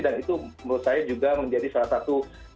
dan itu menurut saya juga menjadi salah satu